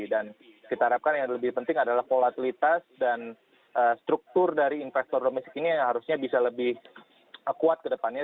dan kita harapkan yang lebih penting adalah kolatilitas dan struktur dari investor domestik ini yang harusnya bisa lebih kuat ke depannya